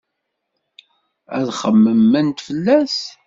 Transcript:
Ad xemmement fell-as.